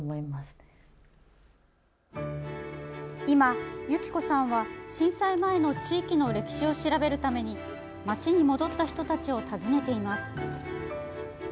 今、由起子さんは震災前の地域の歴史を調べるために町に戻った人たちを訪ねています。